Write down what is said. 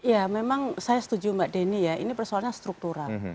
ya memang saya setuju mbak denny ya ini persoalannya struktural